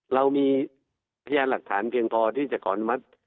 เรามีพยานหลักฐานเพียงพอที่จะขออนุมัติ